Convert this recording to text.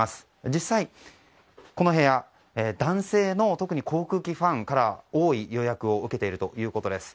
実際、この部屋男性の航空機ファンから多い予約を受けているということです。